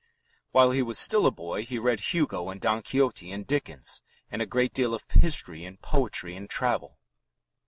While he was still a boy he read Hugo and Don Quixote and Dickens, and a great deal of history, poetry, and travel.